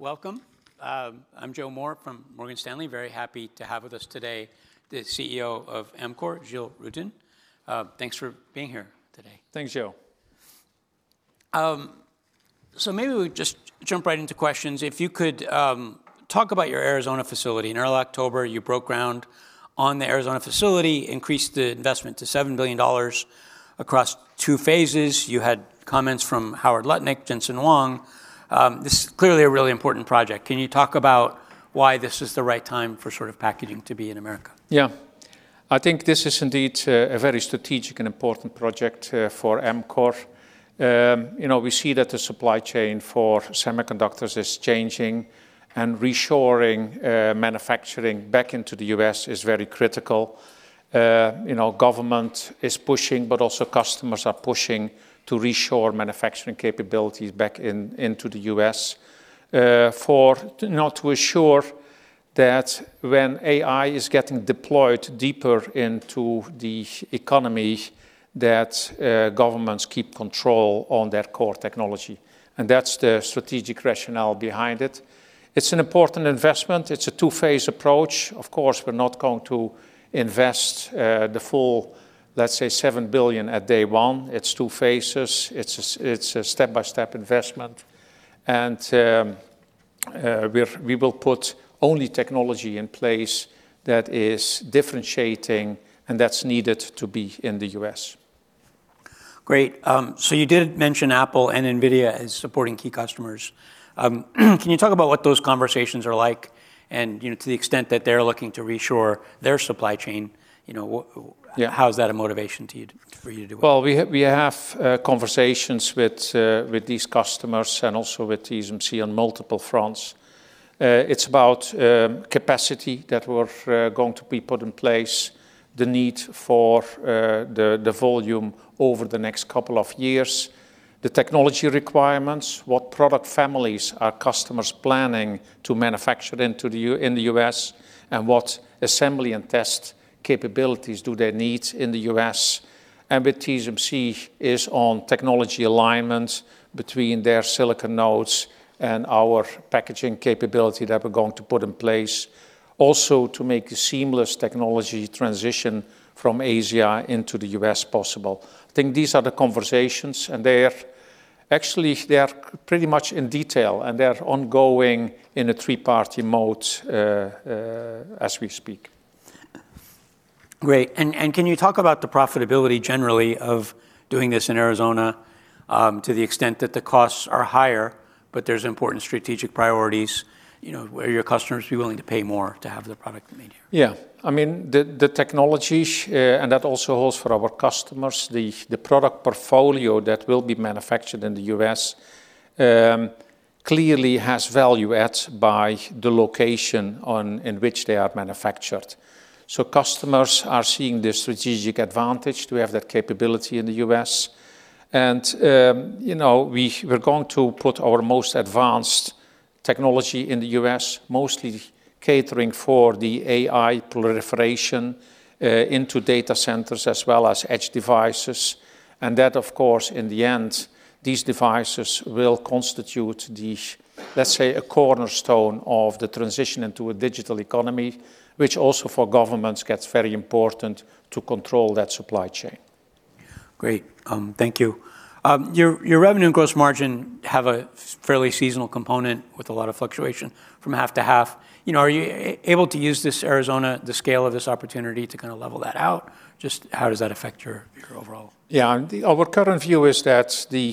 Welcome. I'm Joe Moore from Morgan Stanley. Very happy to have with us today the CEO of Amkor, Giel Rutten. Thanks for being here today. Thanks, Joe. So maybe we just jump right into questions. If you could talk about your Arizona facility? In early October, you broke ground on the Arizona facility, increased the investment to $7 billion across two phases. You had comments from Howard Lutnick, Jensen Huang. This is clearly a really important project. Can you talk about why this is the right time for sort of packaging to be in America? Yeah. I think this is indeed a very strategic and important project for Amkor. You know, we see that the supply chain for semiconductors is changing, and reshoring manufacturing back into the U.S. is very critical. You know, government is pushing, but also customers are pushing to reshore manufacturing capabilities back into the U.S. to ensure that when AI is getting deployed deeper into the economy, that governments keep control on their core technology, and that's the strategic rationale behind it. It's an important investment. It's a two-phase approach. Of course, we're not going to invest the full, let's say, $7 billion at day one. It's two phases. It's a step-by-step investment, and we will put only technology in place that is differentiating, and that's needed to be in the U.S. Great. So you did mention Apple and NVIDIA as supporting key customers. Can you talk about what those conversations are like and to the extent that they're looking to reshore their supply chain? You know, how is that a motivation for you to do it? We have conversations with these customers and also with TSMC on multiple fronts. It's about capacity that we're going to put in place, the need for the volume over the next couple of years, the technology requirements, what product families are customers planning to manufacture in the U.S., and what assembly and test capabilities do they need in the U.S. And with TSMC, it's on technology alignment between their silicon nodes and our packaging capability that we're going to put in place, also to make a seamless technology transition from Asia into the U.S. possible. I think these are the conversations, and they're actually pretty much in detail, and they're ongoing in a three-party mode as we speak. Great. And can you talk about the profitability generally of doing this in Arizona to the extent that the costs are higher, but there's important strategic priorities, you know, where your customers would be willing to pay more to have the product made here? Yeah. I mean, the technology, and that also holds for our customers, the product portfolio that will be manufactured in the U.S. clearly has value added by the location in which they are manufactured. So customers are seeing the strategic advantage to have that capability in the U.S. And, you know, we're going to put our most advanced technology in the U.S., mostly catering for the AI proliferation into data centers as well as edge devices. And that, of course, in the end, these devices will constitute the, let's say, a cornerstone of the transition into a digital economy, which also for governments gets very important to control that supply chain. Great. Thank you. Your revenue and gross margin have a fairly seasonal component with a lot of fluctuation from half to half. You know, are you able to use this Arizona, the scale of this opportunity to kind of level that out? Just how does that affect your overall? Yeah. Our current view is that the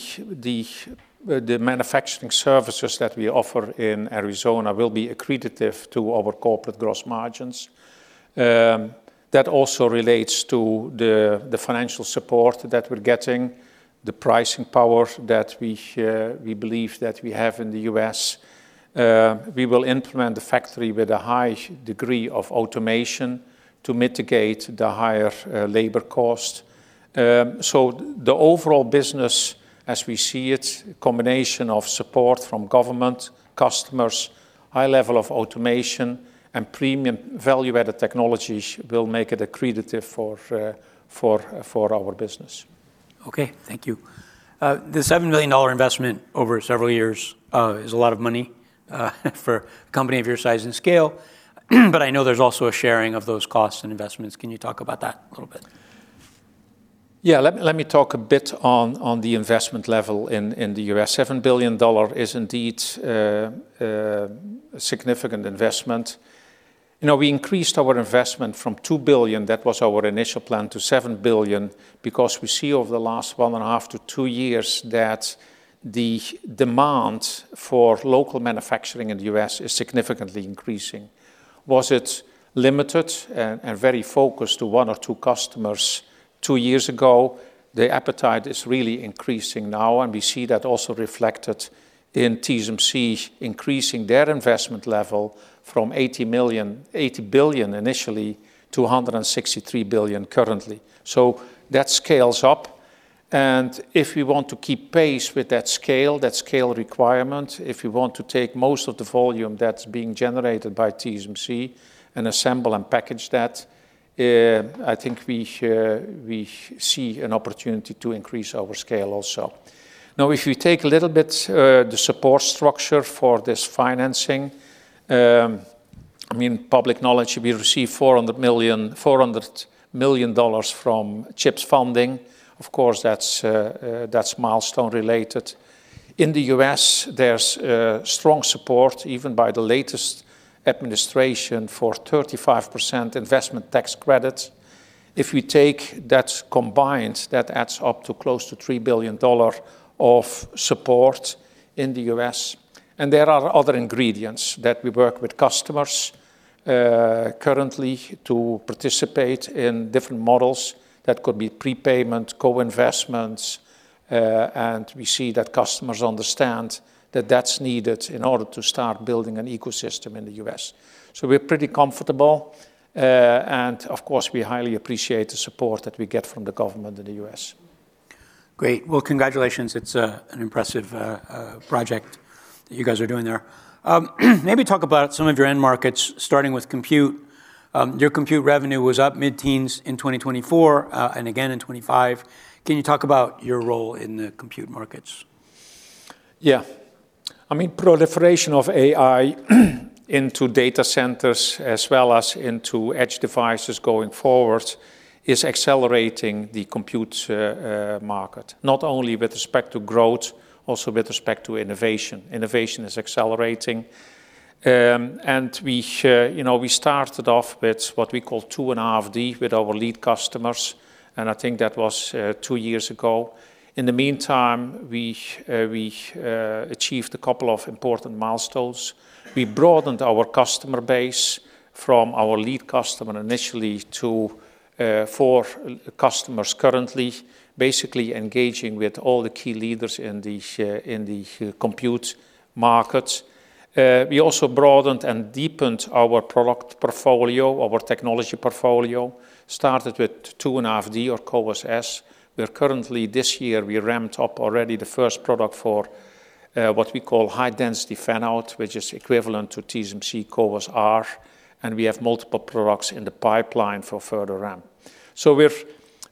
manufacturing services that we offer in Arizona will be accreted to our corporate gross margins. That also relates to the financial support that we're getting, the pricing power that we believe that we have in the US. We will implement the factory with a high degree of automation to mitigate the higher labor cost. So the overall business, as we see it, a combination of support from government, customers, high level of automation, and premium value-added technologies will make it accreted for our business. Okay. Thank you. The $7 billion investment over several years is a lot of money for a company of your size and scale, but I know there's also a sharing of those costs and investments. Can you talk about that a little bit? Yeah. Let me talk a bit on the investment level in the U.S. $7 billion is indeed a significant investment. You know, we increased our investment from $2 billion, that was our initial plan, to $7 billion because we see over the last one and a half to two years that the demand for local manufacturing in the U.S. is significantly increasing. Was it limited and very focused to one or two customers two years ago? The appetite is really increasing now, and we see that also reflected in TSMC increasing their investment level from $80 billion initially to $163 billion currently. So that scales up, and if we want to keep pace with that scale, that scale requirement, if we want to take most of the volume that's being generated by TSMC and assemble and package that, I think we see an opportunity to increase our scale also. Now, if you take a little bit the support structure for this financing, I mean, public knowledge, we received $400 million from CHIPS funding. Of course, that's milestone related. In the U.S., there's strong support, even by the latest administration, for 35% investment tax credit. If you take that combined, that adds up to close to $3 billion of support in the U.S. And there are other ingredients that we work with customers currently to participate in different models that could be prepayment, co-investments, and we see that customers understand that that's needed in order to start building an ecosystem in the U.S. So we're pretty comfortable, and of course, we highly appreciate the support that we get from the government in the U.S. Great. Well, congratulations. It's an impressive project that you guys are doing there. Maybe talk about some of your end markets, starting with compute. Your compute revenue was up mid-teens in 2024 and again in 2025. Can you talk about your role in the compute markets? Yeah. I mean, proliferation of AI into data centers as well as into edge devices going forward is accelerating the compute market, not only with respect to growth, also with respect to innovation. Innovation is accelerating. And we, you know, we started off with what we call two and a half D with our lead customers, and I think that was two years ago. In the meantime, we achieved a couple of important milestones. We broadened our customer base from our lead customer initially to four customers currently, basically engaging with all the key leaders in the compute market. We also broadened and deepened our product portfolio, our technology portfolio, started with two and a half D or CoWoS-S. We're currently, this year, we ramped up already the first product for what we call high-density fan-out, which is equivalent to TSMC CoWoS-R, and we have multiple products in the pipeline for further ramp. So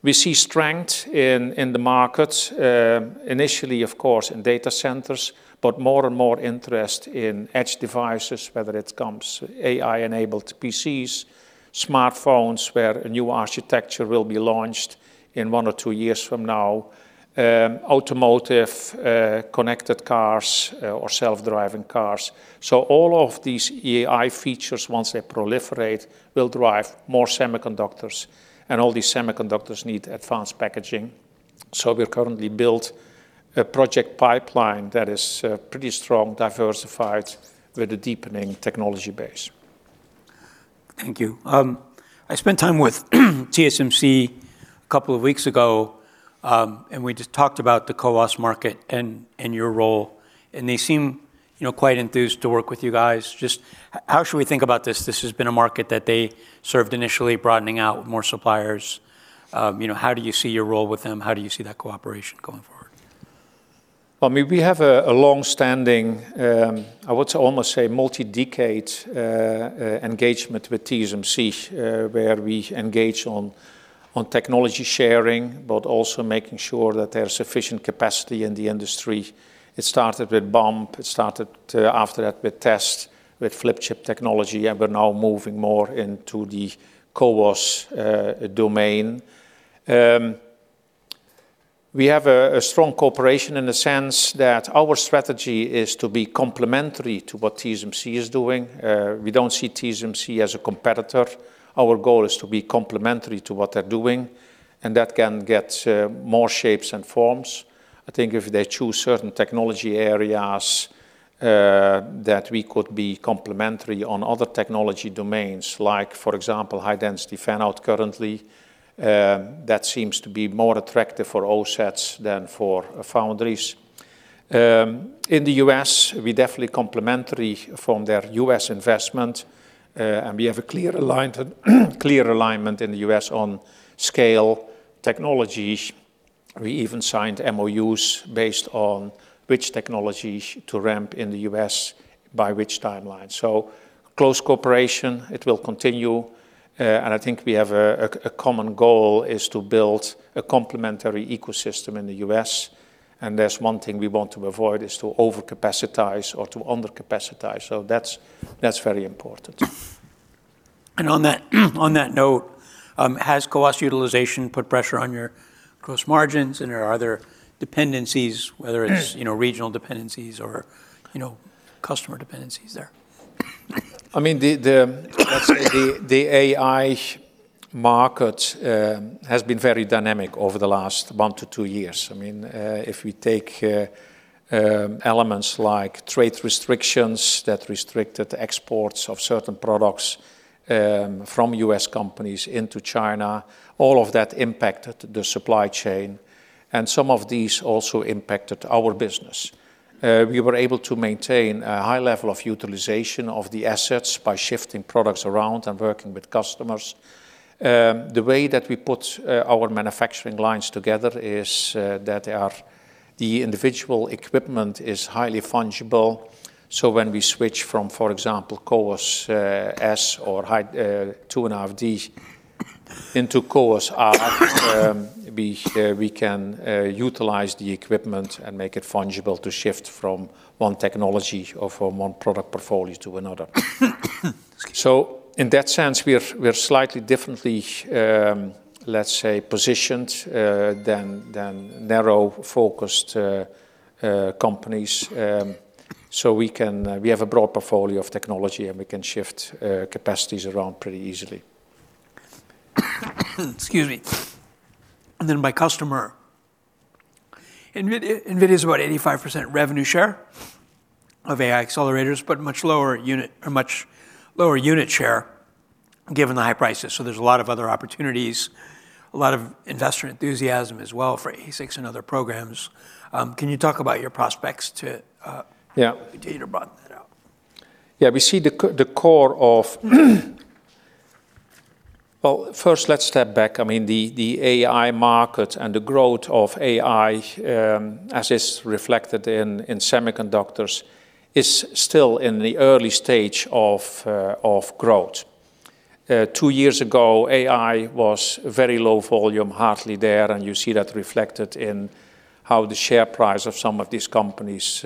we see strength in the markets, initially, of course, in data centers, but more and more interest in edge devices, whether it comes AI-enabled PCs, smartphones where a new architecture will be launched in one or two years from now, automotive connected cars or self-driving cars. So all of these AI features, once they proliferate, will drive more semiconductors, and all these semiconductors need advanced packaging. So we're currently built a project pipeline that is pretty strong, diversified with a deepening technology base. Thank you. I spent time with TSMC a couple of weeks ago, and we just talked about the CoWoS market and your role, and they seem, you know, quite enthused to work with you guys. Just how should we think about this? This has been a market that they served initially broadening out with more suppliers. You know, how do you see your role with them? How do you see that cooperation going forward? I mean, we have a longstanding, I would almost say multi-decade engagement with TSMC, where we engage on technology sharing, but also making sure that there's sufficient capacity in the industry. It started with bump. It started after that with test, with flip chip technology, and we're now moving more into the CoWoS domain. We have a strong cooperation in the sense that our strategy is to be complementary to what TSMC is doing. We don't see TSMC as a competitor. Our goal is to be complementary to what they're doing, and that can get more shapes and forms. I think if they choose certain technology areas that we could be complementary on other technology domains, like, for example, high-density fan-out currently, that seems to be more attractive for OSATs than for foundries. In the U.S., we're definitely complementary from their U.S. investment, and we have a clear alignment in the U.S. on scale technologies. We even signed MOUs based on which technologies to ramp in the U.S. by which timeline. So close cooperation, it will continue, and I think we have a common goal is to build a complementary ecosystem in the U.S., and there's one thing we want to avoid is to overcapacitize or to undercapacitize. So that's very important. And on that note, has CoWoS utilization put pressure on your gross margins, and are there dependencies, whether it's, you know, regional dependencies or, you know, customer dependencies there? I mean, the AI market has been very dynamic over the last one to two years. I mean, if we take elements like trade restrictions that restricted exports of certain products from U.S. companies into China, all of that impacted the supply chain, and some of these also impacted our business. We were able to maintain a high level of utilization of the assets by shifting products around and working with customers. The way that we put our manufacturing lines together is that the individual equipment is highly fungible. So when we switch from, for example, CoWoS-S or two and a half D into CoWoS-R, we can utilize the equipment and make it fungible to shift from one technology or from one product portfolio to another. So in that sense, we're slightly differently, let's say, positioned than narrow-focused companies. So we have a broad portfolio of technology, and we can shift capacities around pretty easily. Excuse me, and then my customer. NVIDIA is about 85% revenue share of AI accelerators, but much lower unit share given the high prices, so there's a lot of other opportunities, a lot of investor enthusiasm as well for ASICs and other programs. Can you talk about your prospects to better broaden that out? Yeah. We see the core of, well, first, let's step back. I mean, the AI market and the growth of AI, as is reflected in semiconductors, is still in the early stage of growth. Two years ago, AI was very low volume, hardly there, and you see that reflected in how the share price of some of these companies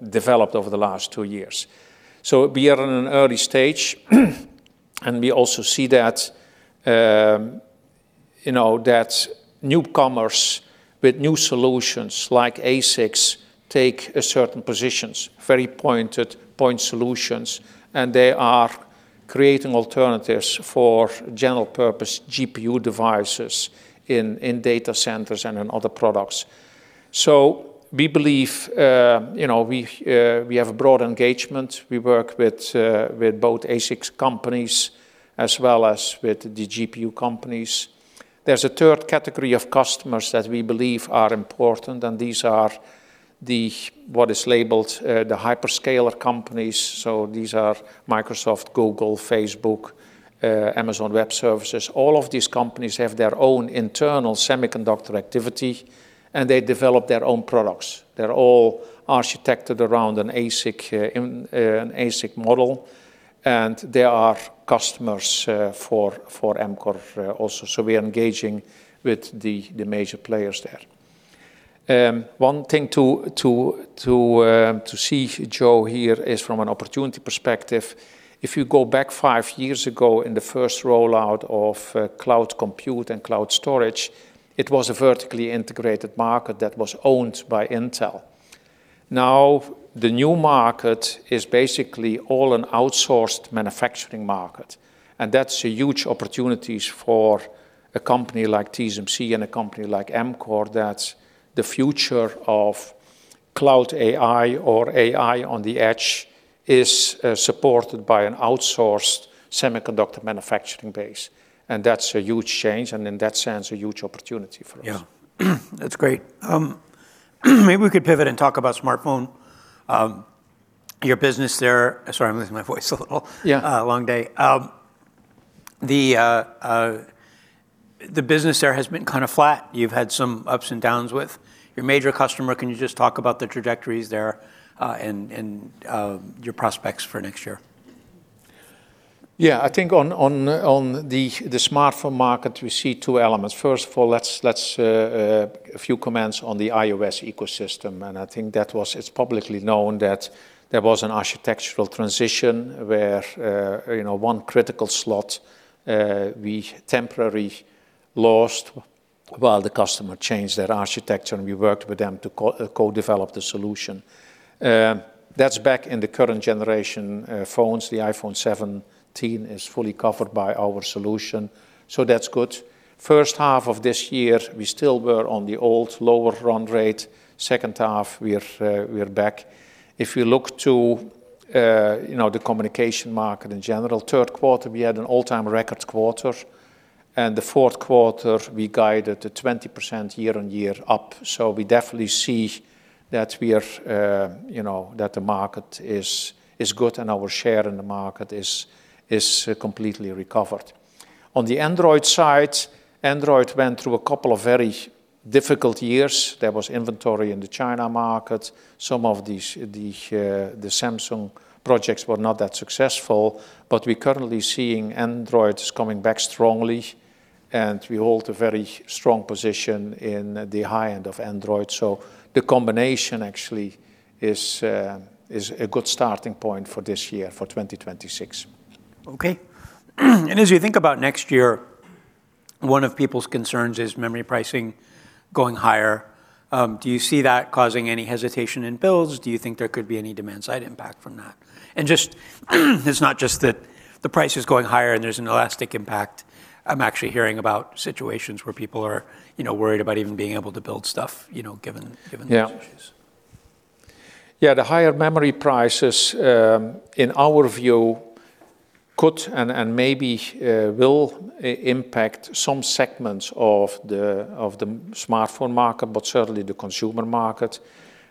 developed over the last two years. So we are in an early stage, and we also see that, you know, that newcomers with new solutions like ASICs take certain positions, very pointed point solutions, and they are creating alternatives for general-purpose GPU devices in data centers and in other products. So we believe, you know, we have a broad engagement. We work with both ASICs companies as well as with the GPU companies. There's a third category of customers that we believe are important, and these are the what is labeled the hyperscaler companies. So these are Microsoft, Google, Facebook, Amazon Web Services. All of these companies have their own internal semiconductor activity, and they develop their own products. They're all architected around an ASIC model, and they are customers for Amkor also. So we're engaging with the major players there. One thing to see, Joe, here is from an opportunity perspective. If you go back five years ago in the first rollout of cloud compute and cloud storage, it was a vertically integrated market that was owned by Intel. Now, the new market is basically all an outsourced manufacturing market, and that's a huge opportunity for a company like TSMC and a company like Amkor, that the future of cloud AI or AI on the edge is supported by an outsourced semiconductor manufacturing base, and that's a huge change and in that sense, a huge opportunity for us. Yeah. That's great. Maybe we could pivot and talk about smartphone. Your business there, sorry, I'm losing my voice a little. Long day. The business there has been kind of flat. You've had some ups and downs with your major customer. Can you just talk about the trajectories there and your prospects for next year? Yeah. I think on the smartphone market, we see two elements. First of all, a few comments on the iOS ecosystem, and I think that it's publicly known that there was an architectural transition where, you know, one critical slot we temporarily lost while the customer changed their architecture, and we worked with them to co-develop the solution. That's back in the current generation phones. The iPhone 17 is fully covered by our solution, so that's good. First half of this year, we still were on the old lower run rate. Second half, we're back. If you look to, you know, the communication market in general, third quarter, we had an all-time record quarter, and the fourth quarter, we guided the 20% year on year up. So we definitely see that we are, you know, that the market is good and our share in the market is completely recovered. On the Android side, Android went through a couple of very difficult years. There was inventory in the China market. Some of the Samsung projects were not that successful, but we're currently seeing Android is coming back strongly, and we hold a very strong position in the high end of Android. So the combination actually is a good starting point for this year, for 2026. Okay. And as you think about next year, one of people's concerns is memory pricing going higher. Do you see that causing any hesitation in builds? Do you think there could be any demand-side impact from that? And just it's not just that the price is going higher and there's an elastic impact. I'm actually hearing about situations where people are, you know, worried about even being able to build stuff, you know, given those issues. Yeah. Yeah, the higher memory prices, in our view, could and maybe will impact some segments of the smartphone market, but certainly the consumer market.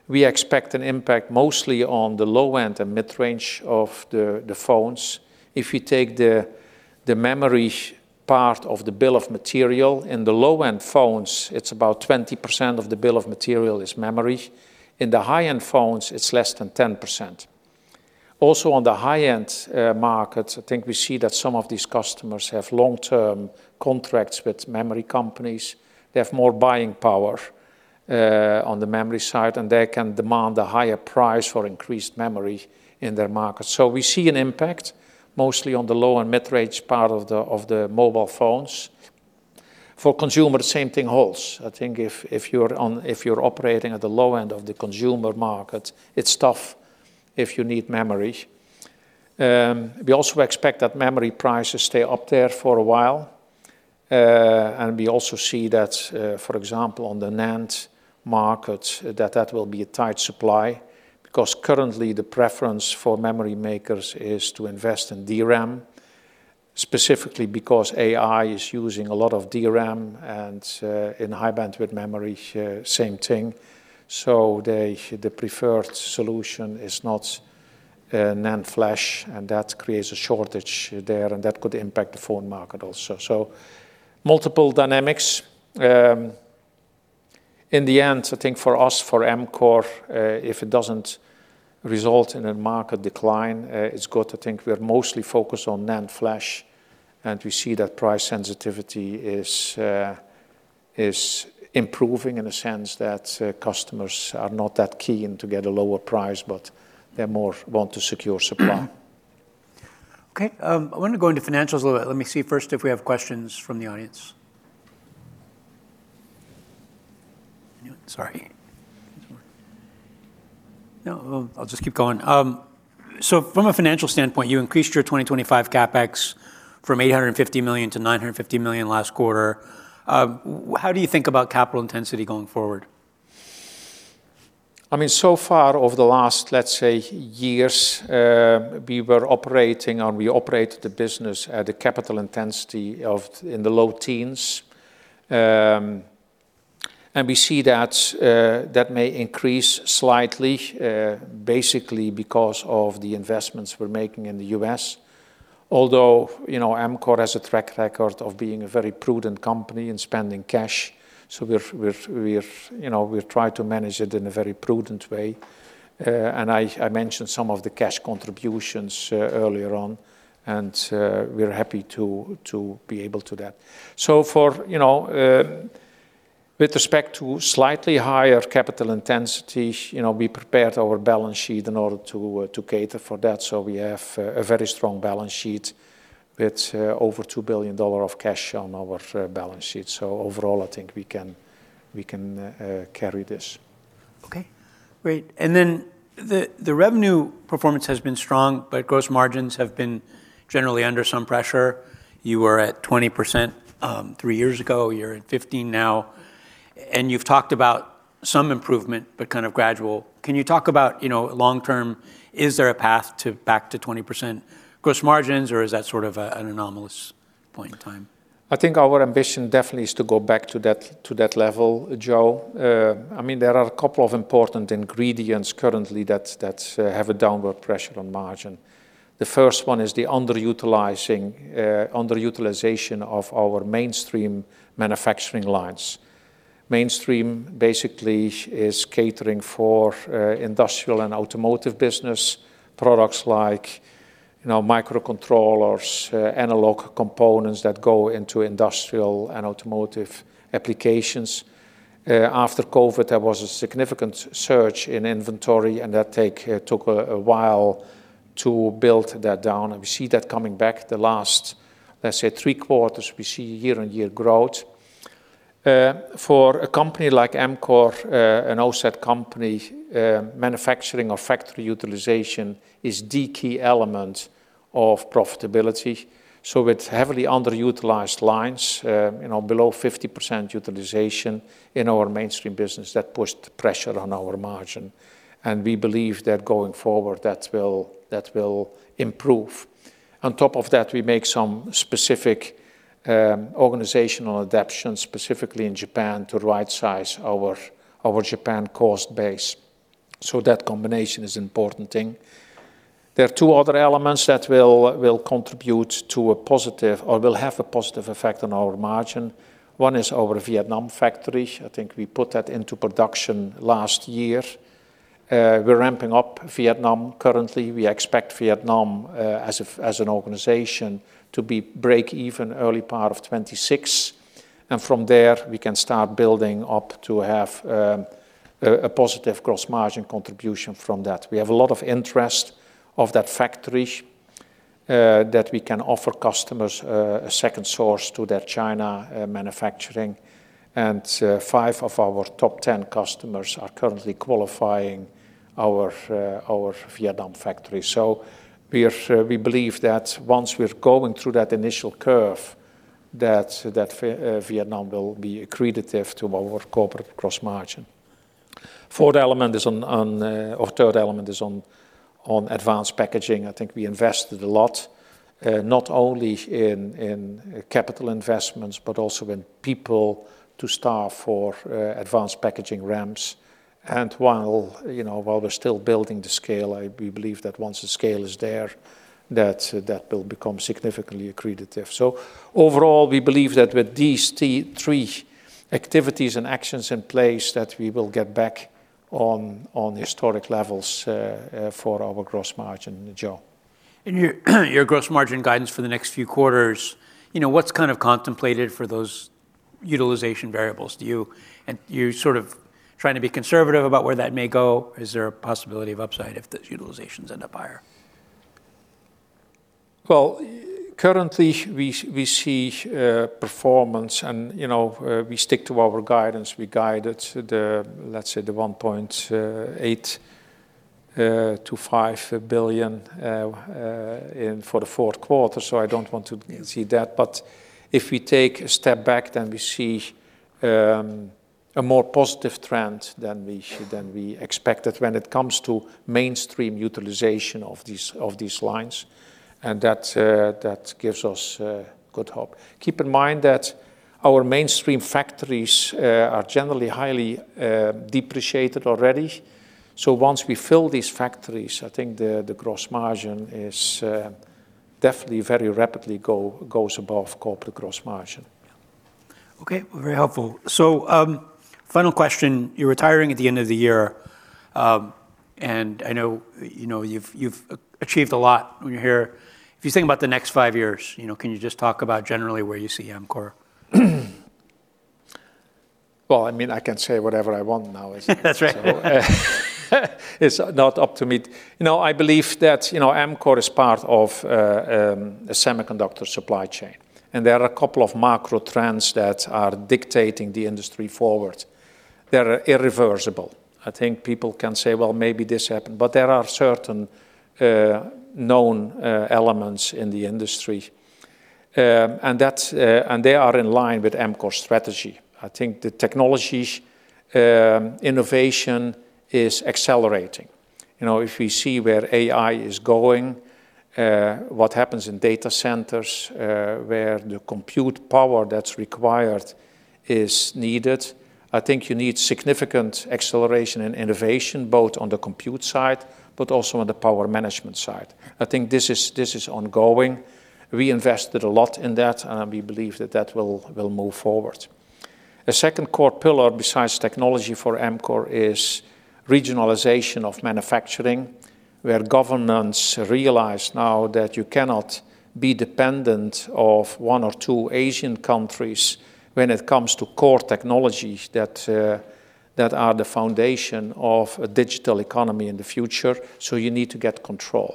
We expect an impact mostly on the low end and mid-range of the phones. If you take the memory part of the bill of material in the low end phones, it's about 20% of the bill of material is memory. In the high end phones, it's less than 10%. Also, on the high end market, I think we see that some of these customers have long-term contracts with memory companies. They have more buying power on the memory side, and they can demand a higher price for increased memory in their market. So we see an impact mostly on the low and mid-range part of the mobile phones. For consumers, same thing holds. I think if you're operating at the low end of the consumer market, it's tough if you need memory. We also expect that memory prices stay up there for a while, and we also see that, for example, on the NAND market, that that will be a tight supply because currently the preference for memory makers is to invest in DRAM, specifically because AI is using a lot of DRAM and in high bandwidth memory, same thing. So the preferred solution is not NAND flash, and that creates a shortage there, and that could impact the phone market also. So multiple dynamics. In the end, I think for us, for Amkor, if it doesn't result in a market decline, it's good. I think we're mostly focused on NAND flash, and we see that price sensitivity is improving in a sense that customers are not that keen to get a lower price, but they more want to secure supply. Okay. I want to go into financials a little bit. Let me see first if we have questions from the audience. Sorry. No, I'll just keep going. So from a financial standpoint, you increased your 2025 CapEx from $850 million to $950 million last quarter. How do you think about capital intensity going forward? I mean, so far over the last, let's say, years, we were operating, or we operated the business at a capital intensity of in the low teens, and we see that that may increase slightly basically because of the investments we're making in the US. Although, you know, Amkor has a track record of being a very prudent company in spending cash, so we're, you know, we try to manage it in a very prudent way, and I mentioned some of the cash contributions earlier on, and we're happy to be able to do that, so for, you know, with respect to slightly higher capital intensity, you know, we prepared our balance sheet in order to cater for that, so we have a very strong balance sheet with over $2 billion of cash on our balance sheet, so overall, I think we can carry this. Okay. Great. And then the revenue performance has been strong, but gross margins have been generally under some pressure. You were at 20% three years ago. You're at 15% now, and you've talked about some improvement, but kind of gradual. Can you talk about, you know, long term, is there a path back to 20% gross margins, or is that sort of an anomalous point in time? I think our ambition definitely is to go back to that level, Joe. I mean, there are a couple of important ingredients currently that have a downward pressure on margin. The first one is the underutilization of our mainstream manufacturing lines. Mainstream basically is catering for industrial and automotive business products like, you know, microcontrollers, analog components that go into industrial and automotive applications. After COVID, there was a significant surge in inventory, and that took a while to build that down, and we see that coming back the last, let's say, three quarters, we see year on year growth. For a company like Amkor, an OSAT company, manufacturing or factory utilization is the key element of profitability, so with heavily underutilized lines, you know, below 50% utilization in our mainstream business, that puts pressure on our margin, and we believe that going forward that will improve. On top of that, we make some specific organizational adaptations, specifically in Japan, to right-size our Japan cost base. So that combination is an important thing. There are two other elements that will contribute to a positive or will have a positive effect on our margin. One is our Vietnam factory. I think we put that into production last year. We're ramping up Vietnam currently. We expect Vietnam as an organization to be break-even early part of 2026, and from there, we can start building up to have a positive gross margin contribution from that. We have a lot of interest of that factory that we can offer customers a second source to their China manufacturing, and five of our top 10 customers are currently qualifying our Vietnam factory. So we believe that once we're going through that initial curve, that Vietnam will be accretive to our corporate gross margin. fourth element is on, or the third element is on, advanced packaging. I think we invested a lot, not only in capital investments, but also in people to staff for advanced packaging ramps. And while, you know, while we're still building the scale, we believe that once the scale is there, that will become significantly accretive. So overall, we believe that with these three activities and actions in place, that we will get back to historic levels for our gross margin, Joe. Your gross margin guidance for the next few quarters, you know, what's kind of contemplated for those utilization variables? Do you, and you're sort of trying to be conservative about where that may go. Is there a possibility of upside if those utilizations end up higher? Currently we see performance, and you know, we stick to our guidance. We guided the, let's say, the $1.8 billion-$5 billion for the fourth quarter, so I don't want to see that. But if we take a step back, then we see a more positive trend than we expected when it comes to mainstream utilization of these lines, and that gives us good hope. Keep in mind that our mainstream factories are generally highly depreciated already. So once we fill these factories, I think the gross margin is definitely very rapidly goes above corporate gross margin. Okay. Very helpful. So, final question: You're retiring at the end of the year, and I know, you know, you've achieved a lot when you're here. If you think about the next five years, you know, can you just talk about generally where you see Amkor? I mean, I can say whatever I want now. That's right. It's not up to me. You know, I believe that, you know, Amkor is part of a semiconductor supply chain, and there are a couple of macro trends that are dictating the industry forward. They're irreversible. I think people can say, well, maybe this happened, but there are certain known elements in the industry, and they are in line with Amkor's strategy. I think the technology innovation is accelerating. You know, if we see where AI is going, what happens in data centers where the compute power that's required is needed, I think you need significant acceleration and innovation both on the compute side, but also on the power management side. I think this is ongoing. We invested a lot in that, and we believe that that will move forward. A second core pillar besides technology for Amkor is regionalization of manufacturing where governments realize now that you cannot be dependent on one or two Asian countries when it comes to core technologies that are the foundation of a digital economy in the future. So you need to get control.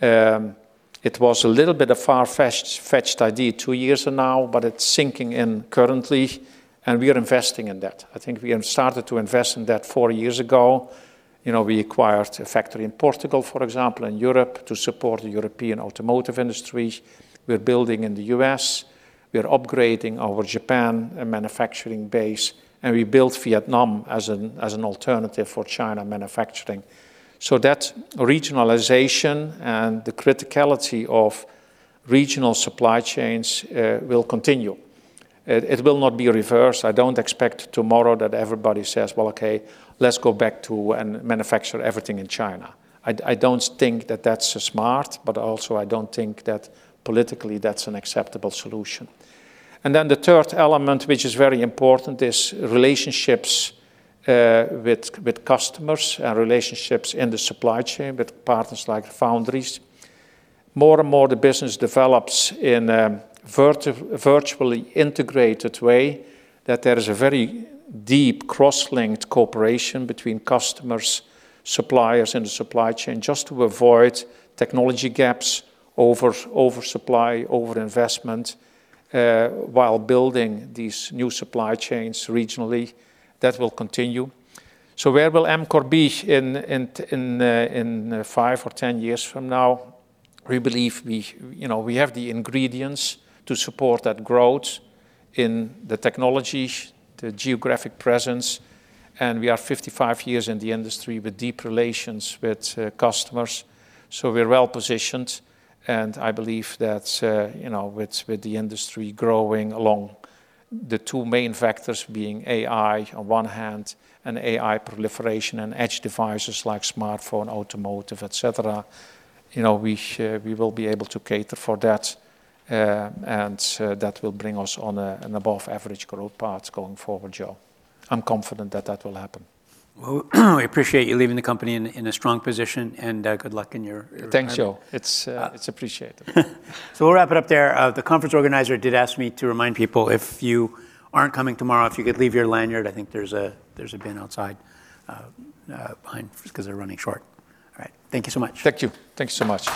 It was a little bit of a far-fetched idea two years ago, but it's sinking in currently, and we are investing in that. I think we started to invest in that four years ago. You know, we acquired a factory in Portugal, for example, in Europe to support the European automotive industry. We're building in the U.S. We're upgrading our Japan manufacturing base, and we built in Vietnam as an alternative for China manufacturing. So that regionalization and the criticality of regional supply chains will continue. It will not be reversed. I don't expect tomorrow that everybody says, "Well, okay, let's go back to and manufacture everything in China." I don't think that that's smart, but also I don't think that politically that's an acceptable solution. And then the third element, which is very important, is relationships with customers and relationships in the supply chain with partners like foundries. More and more the business develops in a virtually integrated way that there is a very deep cross-linked cooperation between customers, suppliers, and the supply chain just to avoid technology gaps, oversupply, overinvestment while building these new supply chains regionally. That will continue. So where will Amkor be in five or ten years from now? We believe we, you know, we have the ingredients to support that growth in the technologies, the geographic presence, and we are 55 years in the industry with deep relations with customers. So, we're well positioned, and I believe that, you know, with the industry growing along the two main factors being AI on one hand and AI proliferation and edge devices like smartphone, automotive, et cetera, you know, we will be able to cater for that, and that will bring us on an above-average growth path going forward, Joe. I'm confident that that will happen. We appreciate you leaving the company in a strong position, and good luck in your career. Thanks, Joe. It's appreciated. So we'll wrap it up there. The conference organizer did ask me to remind people if you aren't coming tomorrow, if you could leave your lanyard. I think there's a bin outside behind because they're running short. All right. Thank you so much. Thank you. Thank you so much.